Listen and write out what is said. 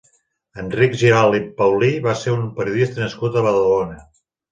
Enric Giralt i Paulí va ser un periodista nascut a Badalona.